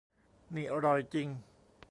นี่อร่อยจริง